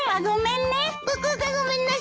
僕がごめんなさいです。